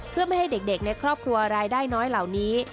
เพื่อไม่ให้เด็กในครอบครัวรายได้น้อยเหล่านี้